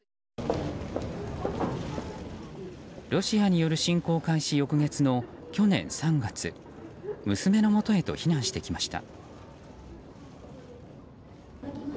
ロシアによる侵攻開始翌月の去年３月娘のもとへと避難してきました。